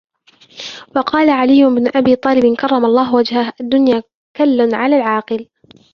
وَقَالَ عَلِيُّ بْنُ أَبِي طَالِبٍ كَرَّمَ اللَّهُ وَجْهَهُ الدُّنْيَا كَلٌّ عَلَى الْعَاقِلِ